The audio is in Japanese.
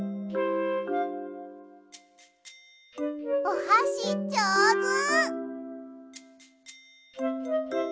おはしじょうず！